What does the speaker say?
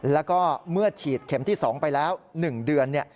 แล้วก็เมื่อฉีดเข็มที่๒ไปแล้ว๑เดือน